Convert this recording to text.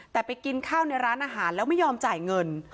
แต่ไปกินข้าวในร้านอาหารแล้วไม่ยอมจ่ายเงิน